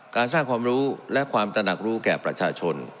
การสร้างความรู้และความตระหนักรู้แก่ประชาชน